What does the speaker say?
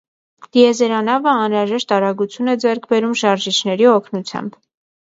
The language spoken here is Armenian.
Տիեզերանավը անհրաժեշտ արագագություն է ձեռք բերում շարժիչների օգնությամբ։